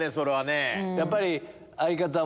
やっぱり。